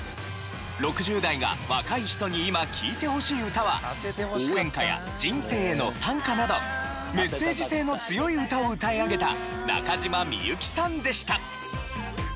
６０代が若い人に今聴いてほしい歌は応援歌や人生の賛歌などメッセージ性の強い歌を歌い上げた中島みゆきさんでした。